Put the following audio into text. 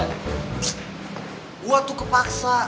ck gue tuh kepaksa